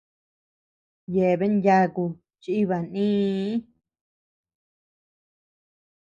Yeaben yaku chiiba nïi.